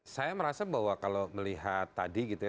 saya merasa bahwa kalau melihat tadi gitu ya